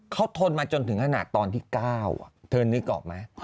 เขาทนมาจนถึงขนาดตอนที่เก้าอ่ะเธอนึกออกมั้ย